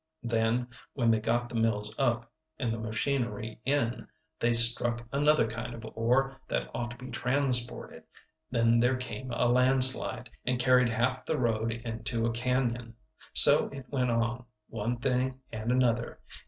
Then when they got the mills up and the machinery in, they struck another kind of ore that ought to be transported; then there came a landslide and carried half the road into a cañon. So it went on, one thing and another.